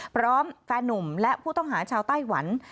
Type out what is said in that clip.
แฟนนุ่มและผู้ต้องหาชาวไต้หวัน